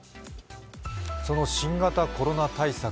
その新型コロナ対策